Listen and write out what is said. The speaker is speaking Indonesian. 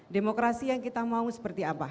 demokrasi yang kita mau seperti apa